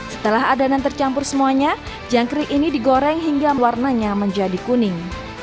setelah adonan tercampur semuanya jangkrik ini digoreng hingga warnanya menjadi kuning